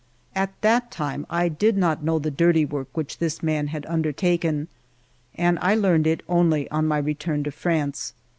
At that time I did not know the dirty work which this man had undertaken, and I learned it only on my return to France.